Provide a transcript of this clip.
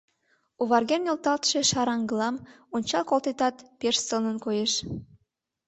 Оварген нӧлталтше шараҥгылам ончал колтетат, пеш сылнын коеш.